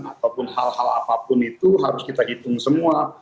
ataupun hal hal apapun itu harus kita hitung semua